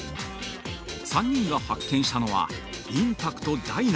３人が発見したのは、インパクト大な